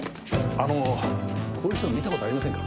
あのこういう人見た事ありませんか？